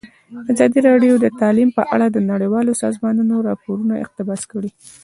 ازادي راډیو د تعلیم په اړه د نړیوالو سازمانونو راپورونه اقتباس کړي.